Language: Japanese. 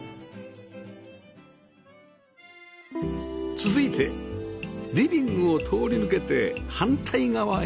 続いてリビングを通り抜けて反対側へ